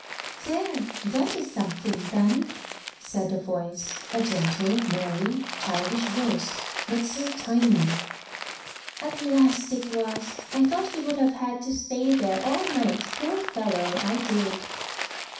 "There! that is something done," said a voice a gentle, merry, childish voice, but so tiny. "At last it was. I thought he would have had to stay there all night, poor fellow! I did."